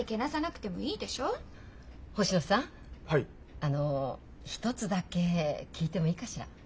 あの一つだけ聞いてもいいかしら？